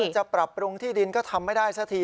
จะปรับปรุงที่ดินก็ทำไม่ได้สักที